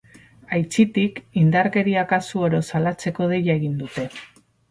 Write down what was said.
Aitzitik, indarkeria kasu oro salatzeko deia egin dute.